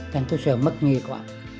thành tôi sợ mất nghề quá